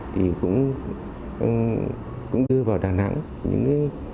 thì cũng đưa vào đà nẵng những